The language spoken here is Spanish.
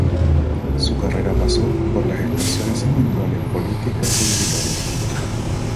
Su carrera pasó por las estaciones habituales políticas y militares.